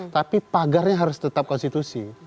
tapi pagarnya harus tetap konstitusi